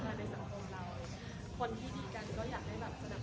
เพราะเราก็ทานแหละกันมากแล้วก็อยากให้ทุกคนเห็นแบบ